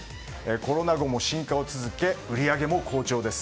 コロナ後も進化を続け売り上げも好調です。